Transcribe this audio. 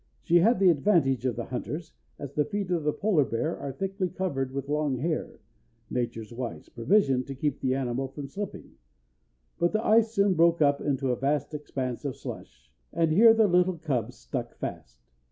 She had the advantage of the hunters, as the feet of the polar bear are thickly covered with long hair nature's wise provision to keep the animal from slipping; but the ice soon broke up into a vast expanse of slush, and here the little cubs stuck fast.